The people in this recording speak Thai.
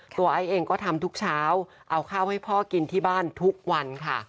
ไอซ์เองก็ทำทุกเช้าเอาข้าวให้พ่อกินที่บ้านทุกวันค่ะ